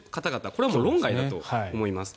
これはもう論外だと思います。